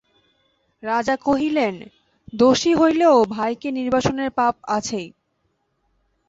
রাজা কহিলেন, দোষী হইলেও ভাইকে নির্বাসনের পাপ আছেই।